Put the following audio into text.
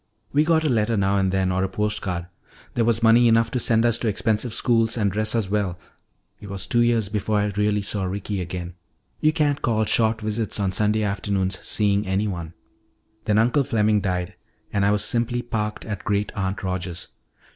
We got a letter now and then, or a post card. There was money enough to send us to expensive schools and dress us well. It was two years before I really saw Ricky again. You can't call short visits on Sunday afternoons seeing anyone. "Then Uncle Fleming died and I was simply parked at Great aunt Rogers'.